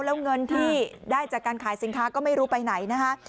แล้วเงินที่ได้จากการขายสินค้าก็ไม่รู้ไปไหนนะคะ